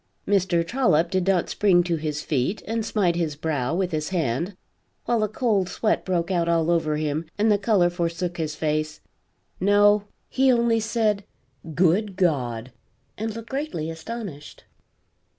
Mr. Trollop did not spring to his feet and smite his brow with his hand while a cold sweat broke out all over him and the color forsook his face no, he only said, "Good God!" and looked greatly astonished.